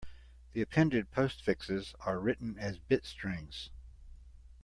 The appended postfixes are written as bit strings.